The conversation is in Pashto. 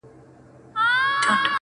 بس و یار ته ستا خواږه کاته درمان سي,